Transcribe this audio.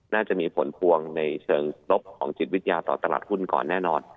น่าจะมีผลพวงในเชิงลบของจิตวิทยาต่อตลาดหุ้นก่อนแน่นอน